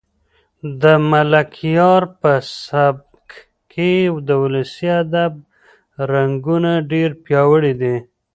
د ملکیار په سبک کې د ولسي ادب رنګونه ډېر پیاوړي دي.